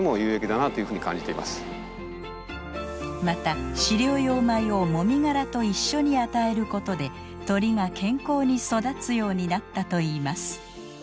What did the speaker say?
また飼料用米をもみ殻と一緒に与えることで鶏が健康に育つようになったといいます。